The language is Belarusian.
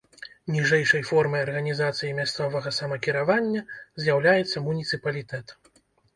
Ніжэйшай формай арганізацыі мясцовага самакіравання з'яўляецца муніцыпалітэт.